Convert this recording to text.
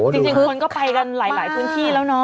จริงคนก็ไปกันหลายพื้นที่แล้วเนาะ